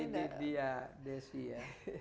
ini dia desya